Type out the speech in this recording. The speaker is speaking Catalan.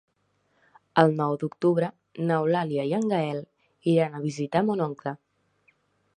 El nou d'octubre n'Eulàlia i en Gaël iran a visitar mon oncle.